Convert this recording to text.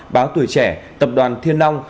báo tuổi trẻ tập đoàn thiên long